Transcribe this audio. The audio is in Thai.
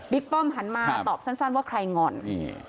ป้อมหันมาตอบสั้นสั้นว่าใครงอนนี่